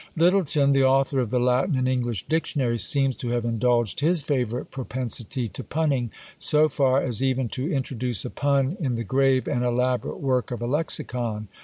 Littleton, the author of the Latin and English Dictionary, seems to have indulged his favourite propensity to punning so far as even to introduce a pun in the grave and elaborate work of a Lexicon.